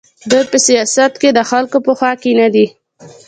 دوی په سیاست کې د خلکو په خوا کې نه دي.